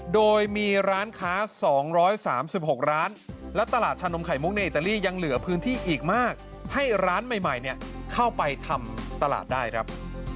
โดยมีร้านค้า๒๓๖ร้านและตลาดชานมไข่มุกในอิตาลียังเหลือพื้นที่อีกมากให้ร้านใหม่เข้าไปทำตลาดได้ครับ